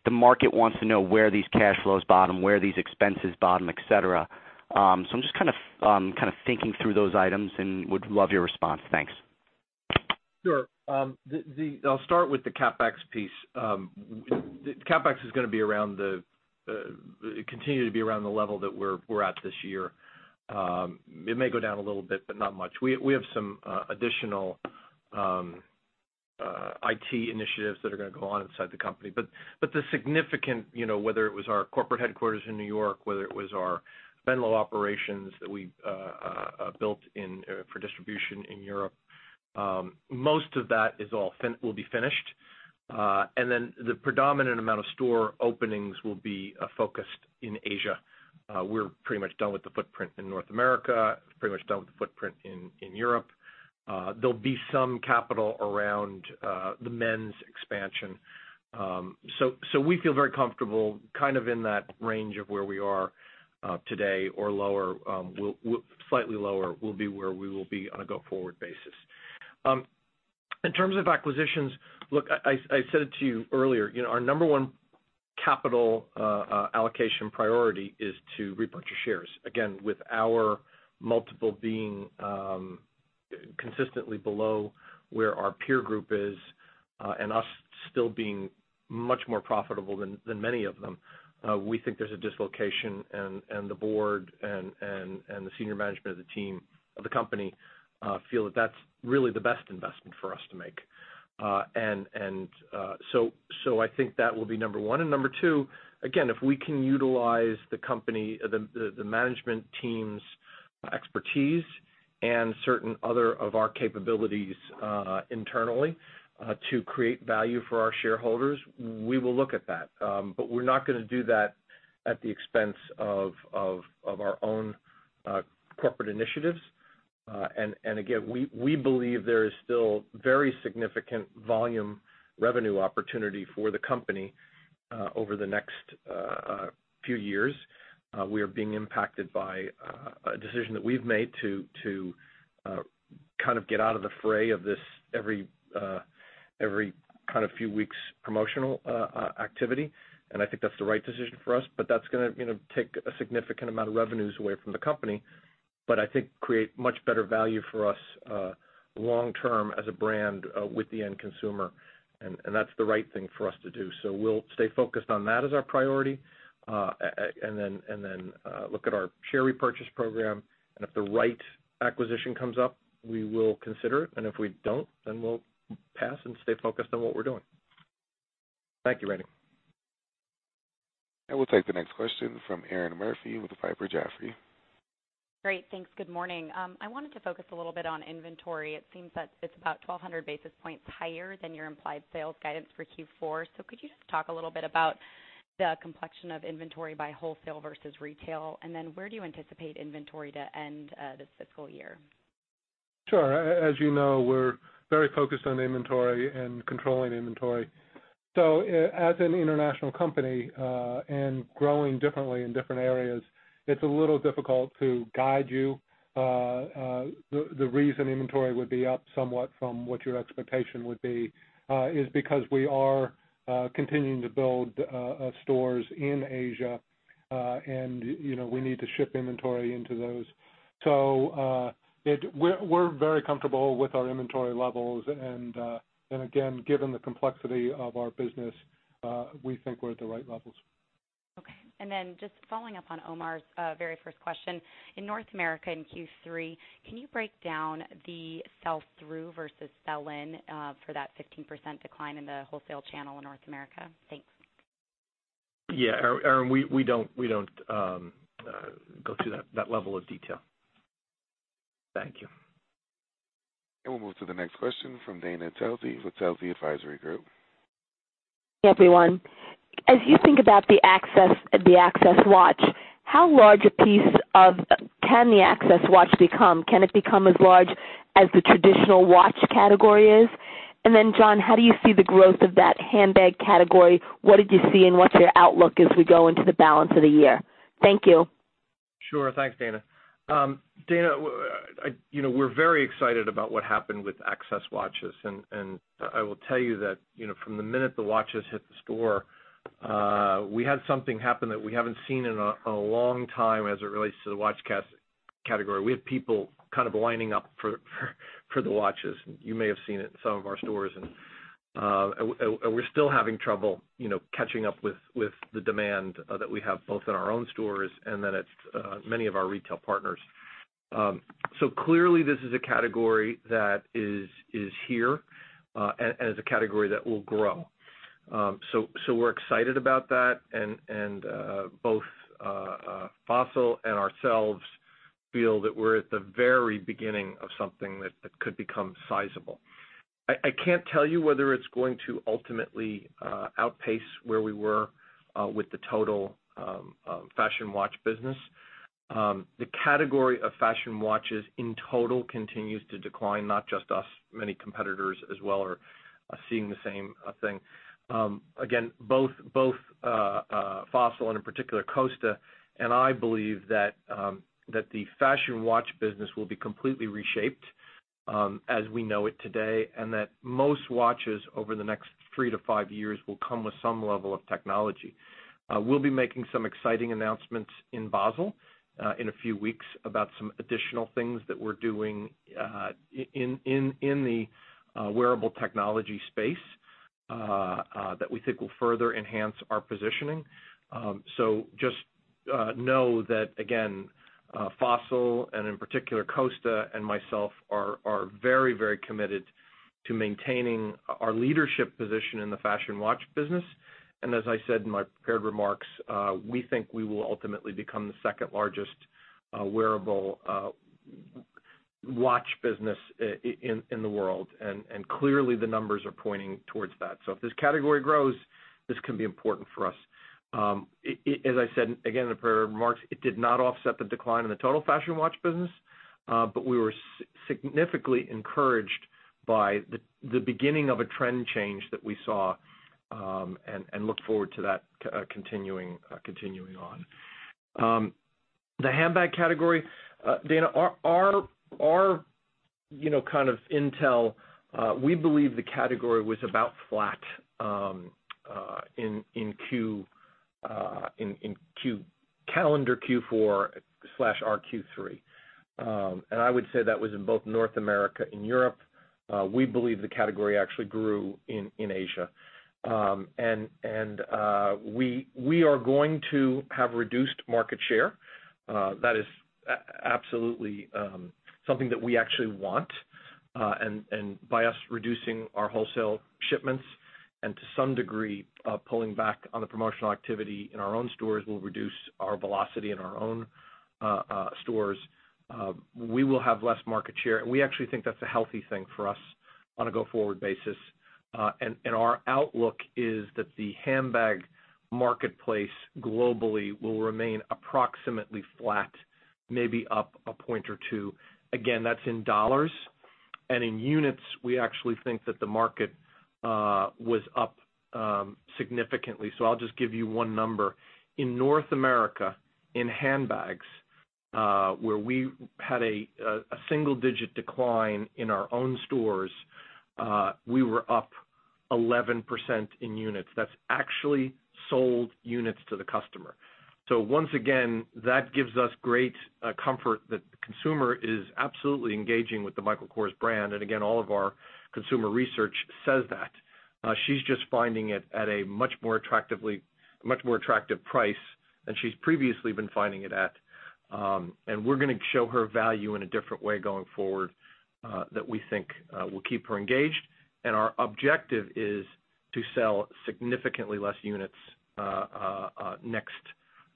the market wants to know where these cash flows bottom, where these expenses bottom, et cetera. I'm just kind of thinking through those items and would love your response. Thanks. Sure. I'll start with the CapEx piece. CapEx is going to continue to be around the level that we're at this year. It may go down a little bit, but not much. We have some additional IT initiatives that are going to go on inside the company. The significant, whether it was our corporate headquarters in New York, whether it was our Venlo operations that we built for distribution in Europe, most of that will be finished. The predominant amount of store openings will be focused in Asia. We're pretty much done with the footprint in North America, pretty much done with the footprint in Europe. There'll be some capital around the men's expansion. We feel very comfortable kind of in that range of where we are today or lower. Slightly lower will be where we will be on a go-forward basis. In terms of acquisitions, look, I said it to you earlier, our number one capital allocation priority is to repurchase shares. With our multiple being consistently below where our peer group is, and us still being much more profitable than many of them, we think there's a dislocation and the board and the senior management of the team of the company feel that's really the best investment for us to make. I think that will be number one. Number two, again, if we can utilize the management team's expertise and certain other of our capabilities internally to create value for our shareholders, we will look at that. We're not going to do that at the expense of our own corporate initiatives. We believe there is still very significant volume revenue opportunity for the company over the next few years. We are being impacted by a decision that we've made to kind of get out of the fray of this every kind of few weeks promotional activity. I think that's the right decision for us, but that's going to take a significant amount of revenues away from the company, but I think create much better value for us long term as a brand with the end consumer. That's the right thing for us to do. We'll stay focused on that as our priority, and then look at our share repurchase program. If the right acquisition comes up, we will consider it. If we don't, then we'll pass and stay focused on what we're doing. Thank you, Randy. I will take the next question from Erinn Murphy with Piper Jaffray. Great. Thanks. Good morning. I wanted to focus a little bit on inventory. It seems that it's about 1,200 basis points higher than your implied sales guidance for Q4. Could you just talk a little bit about the complexion of inventory by wholesale versus retail, and then where do you anticipate inventory to end this fiscal year? Sure. As you know, we're very focused on inventory and controlling inventory. As an international company, and growing differently in different areas, it's a little difficult to guide you. The reason inventory would be up somewhat from what your expectation would be, is because we are continuing to build stores in Asia. We need to ship inventory into those. We're very comfortable with our inventory levels and again, given the complexity of our business, we think we're at the right levels. Okay. Just following up on Omar's very first question. In North America in Q3, can you break down the sell-through versus sell-in, for that 15% decline in the wholesale channel in North America? Thanks. Yeah, Erinn, we don't go to that level of detail. Thank you. We'll move to the next question from Dana Telsey with Telsey Advisory Group. Hey, everyone. As you think about the Access watch, how large a piece can the Access watch become? Can it become as large as the traditional watch category is? John, how do you see the growth of that handbag category? What did you see, and what's your outlook as we go into the balance of the year? Thank you. Sure. Thanks, Dana. Dana, we're very excited about what happened with Access watches, and I will tell you that from the minute the watches hit the store, we had something happen that we haven't seen in a long time as it relates to the watch category. We had people kind of lining up for the watches. You may have seen it in some of our stores, and we're still having trouble catching up with the demand that we have both in our own stores and at many of our retail partners. Clearly, this is a category that is here, and is a category that will grow. We're excited about that and both Fossil and ourselves feel that we're at the very beginning of something that could become sizable. I can't tell you whether it's going to ultimately outpace where we were with the total fashion watch business. The category of fashion watches in total continues to decline, not just us. Many competitors as well are seeing the same thing. Again, both Fossil and in particular Kosta, I believe that the fashion watch business will be completely reshaped as we know it today, and that most watches over the next three to five years will come with some level of technology. We'll be making some exciting announcements in Basel in a few weeks about some additional things that we're doing in the wearable technology space that we think will further enhance our positioning. Just know that, again, Fossil and in particular Kosta and myself are very committed to maintaining our leadership position in the fashion watch business. As I said in my prepared remarks, we think we will ultimately become the second-largest wearable watch business in the world, clearly the numbers are pointing towards that. If this category grows, this can be important for us. As I said again in the prepared remarks, it did not offset the decline in the total fashion watch business. We were significantly encouraged by the beginning of a trend change that we saw, and look forward to that continuing on. The handbag category, Dana, our kind of intel, we believe the category was about flat in calendar Q4/our Q3. I would say that was in both North America and Europe. We believe the category actually grew in Asia. We are going to have reduced market share. That is absolutely something that we actually want. By us reducing our wholesale shipments and to some degree, pulling back on the promotional activity in our own stores will reduce our velocity in our own stores. We will have less market share, and we actually think that's a healthy thing for us on a go-forward basis. Our outlook is that the handbag marketplace globally will remain approximately flat, maybe up a point or two. Again, that's in USD. In units, we actually think that the market was up significantly. I'll just give you one number. In North America, in handbags, where we had a single-digit decline in our own stores, we were up 11% in units. That's actually sold units to the customer. Once again, that gives us great comfort that the consumer is absolutely engaging with the Michael Kors brand. Again, all of our consumer research says that. She's just finding it at a much more attractive price than she's previously been finding it at. We're going to show her value in a different way going forward that we think will keep her engaged. Our objective is to sell significantly less units next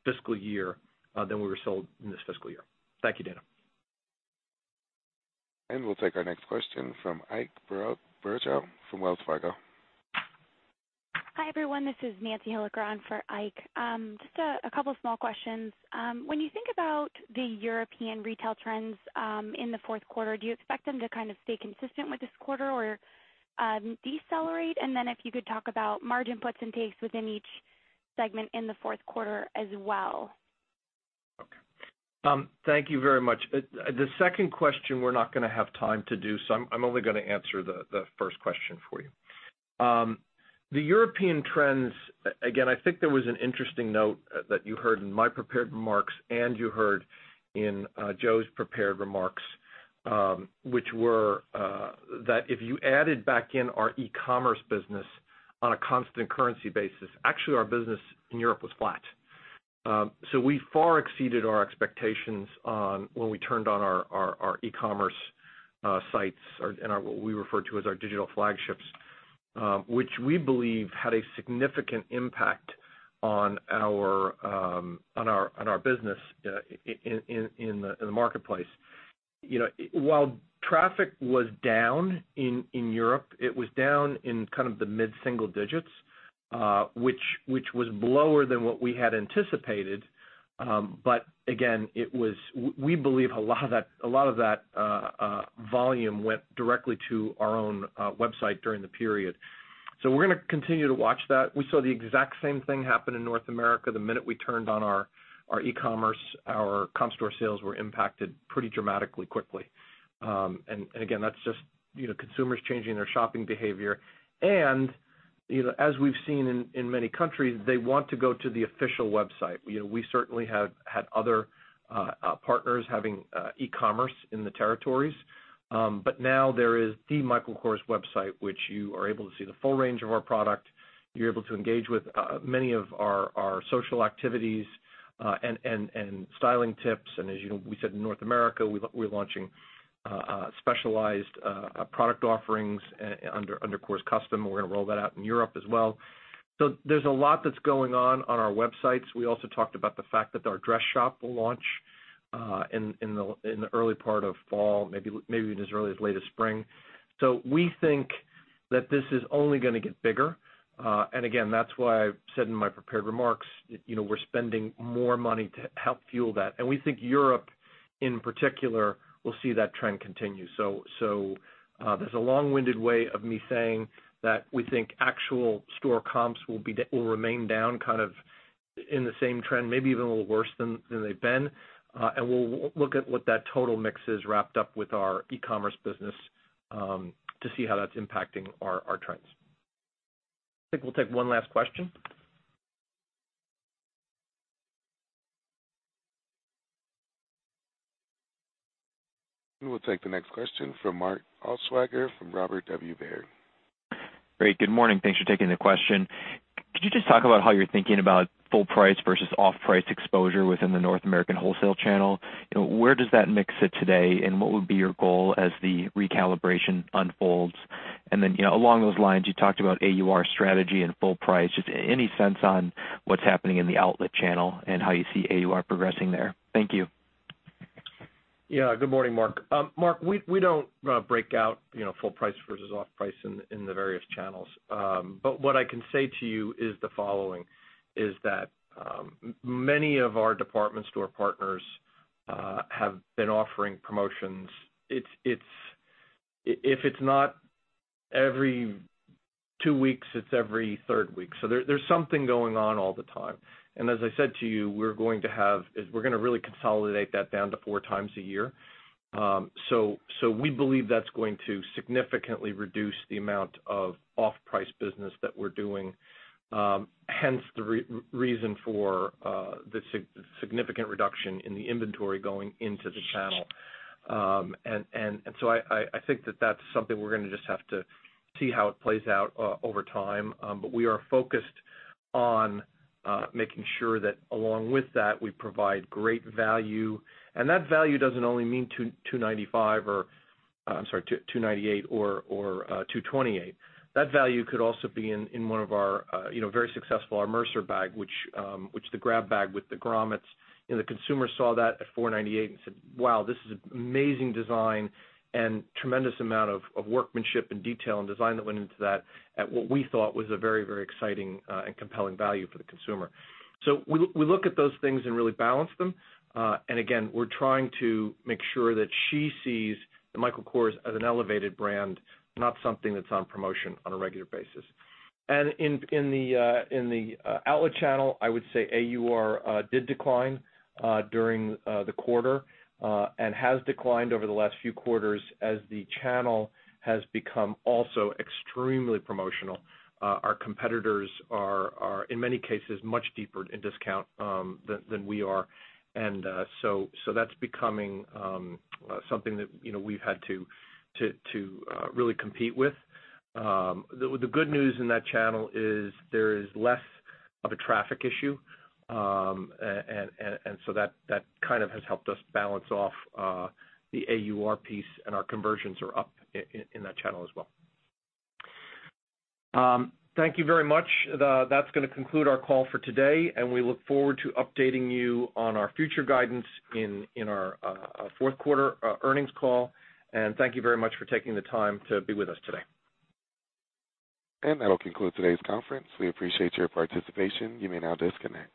fiscal year than we were sold in this fiscal year. Thank you, Dana. We'll take our next question from Ike from Wells Fargo. Hi, everyone. This is Nancy Hilliker on for Ike. Just a couple of small questions. When you think about the European retail trends in the fourth quarter, do you expect them to stay consistent with this quarter or decelerate? If you could talk about margin puts and takes within each segment in the fourth quarter as well. Okay. Thank you very much. The second question, we're not going to have time to do, so I'm only going to answer the first question for you. The European trends, again, I think there was an interesting note that you heard in my prepared remarks, and you heard in Joe's prepared remarks which were that if you added back in our e-commerce business on a constant currency basis, actually our business in Europe was flat. We far exceeded our expectations when we turned on our e-commerce sites and what we refer to as our digital flagships, which we believe had a significant impact on our business in the marketplace. While traffic was down in Europe, it was down in the mid-single digits which was lower than what we had anticipated. Again, we believe a lot of that volume went directly to our own website during the period. We're going to continue to watch that. We saw the exact same thing happen in North America. The minute we turned on our e-commerce, our comp store sales were impacted pretty dramatically quickly. Again, that's just consumers changing their shopping behavior. As we've seen in many countries, they want to go to the official website. We certainly have had other partners having e-commerce in the territories. Now there is the Michael Kors website, which you are able to see the full range of our product. You're able to engage with many of our social activities and styling tips. As we said in North America, we're launching specialized product offerings under Custom Kors, and we're going to roll that out in Europe as well. There's a lot that's going on on our websites. We also talked about the fact that our dress shop will launch in the early part of fall, maybe as early as late as spring. We think that this is only going to get bigger. Again, that's why I said in my prepared remarks, we're spending more money to help fuel that. We think Europe, in particular, will see that trend continue. There's a long-winded way of me saying that we think actual store comps will remain down in the same trend, maybe even a little worse than they've been. We'll look at what that total mix is wrapped up with our e-commerce business to see how that's impacting our trends. I think we'll take one last question. We'll take the next question from Mark Altschwager from Robert W. Baird. Great. Good morning. Thanks for taking the question. Could you just talk about how you're thinking about full price versus off-price exposure within the North American wholesale channel? Where does that mix sit today, and what would be your goal as the recalibration unfolds? Then along those lines, you talked about AUR strategy and full price. Any sense on what's happening in the outlet channel and how you see AUR progressing there? Thank you. Yeah. Good morning, Mark. Mark, we don't break out full price versus off price in the various channels. What I can say to you is the following, is that many of our department store partners have been offering promotions. If it's not every two weeks, it's every third week. There's something going on all the time. As I said to you, we're going to really consolidate that down to four times a year. We believe that's going to significantly reduce the amount of off-price business that we're doing. Hence the reason for the significant reduction in the inventory going into the channel. I think that that's something we're going to just have to see how it plays out over time. We are focused on making sure that along with that, we provide great value. That value doesn't only mean $298 or $228. That value could also be in one of our very successful, our Mercer bag, which the grab bag with the grommets. The consumer saw that at $498 and said, "Wow, this is an amazing design and tremendous amount of workmanship and detail and design that went into that" at what we thought was a very exciting and compelling value for the consumer. We look at those things and really balance them. Again, we're trying to make sure that she sees the Michael Kors as an elevated brand, not something that's on promotion on a regular basis. In the outlet channel, I would say AUR did decline during the quarter and has declined over the last few quarters as the channel has become also extremely promotional. Our competitors are, in many cases, much deeper in discount than we are. That's becoming something that we've had to really compete with. The good news in that channel is there is less of a traffic issue and so that has helped us balance off the AUR piece. Our conversions are up in that channel as well. Thank you very much. That's going to conclude our call for today. We look forward to updating you on our future guidance in our fourth quarter earnings call. Thank you very much for taking the time to be with us today. That will conclude today's conference. We appreciate your participation. You may now disconnect.